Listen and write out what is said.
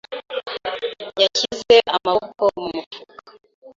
yashyize amaboko mu mufuka.